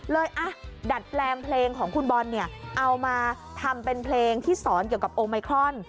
ดัดแปลงเพลงของคุณบอลเนี่ยเอามาทำเป็นเพลงที่สอนเกี่ยวกับโอไมครอน